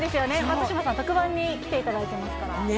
松嶋さん特番に来ていただいてますからね